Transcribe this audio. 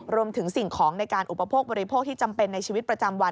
สิ่งของในการอุปโภคบริโภคที่จำเป็นในชีวิตประจำวัน